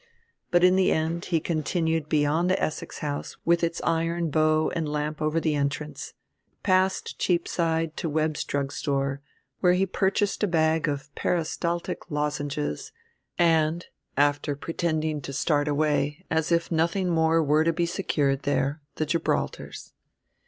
But in the end he continued beyond the Essex House with its iron bow and lamp over the entrance, past Cheapside to Webb's Drugstore, where he purchased a bag of Peristaltic lozenges, and after pretending to start away as if nothing more were to be secured there the Gibraltars.